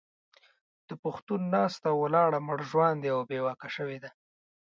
د پښتون ناسته او ولاړه مړژواندې او بې واکه شوې ده.